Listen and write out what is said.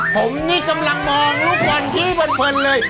ผมนี่กำลังมองลูกบอลชี้เพลินเลย